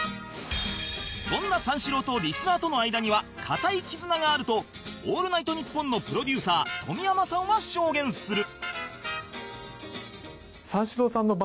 そんな三四郎とリスナーとの間には固い絆があると『オールナイトニッポン』のプロデューサー冨山さんは証言する